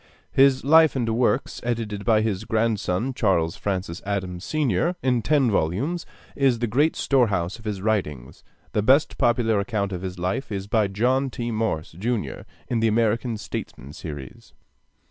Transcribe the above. His 'Life and Works,' edited by his grandson, Charles Francis Adams, Sr., in ten volumes, is the great storehouse of his writings. The best popular account of his life is by John T. Morse, Jr., in the 'American Statesmen' series.